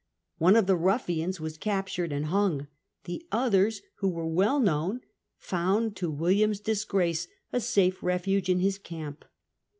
One of the ruffians was captured and hung; the others, who were well known, found, to William's disgrace, a safe refuge in his camp.